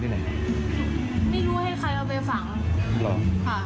เพราะว่าหนูอยู่คนเดียวเด็กที่ร้านเขาก็ยังไม่มา